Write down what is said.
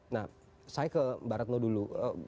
nah saya ke mbak retno dulu